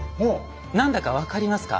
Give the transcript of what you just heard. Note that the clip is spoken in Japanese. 何だか分かりますか？